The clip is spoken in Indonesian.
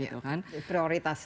penting gitu kan prioritas